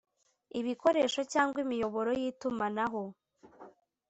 Ibikoresho cyangwa imiyoboro y itumanaho